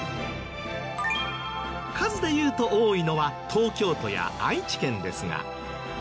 数でいうと多いのは東京都や愛知県ですが。